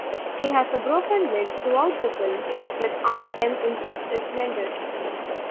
He has a broken leg throughout the film that Aunt Em insists is mended.